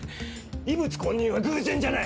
異物混入は偶然じゃない